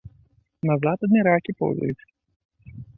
Назад адны ракі поўзаюць.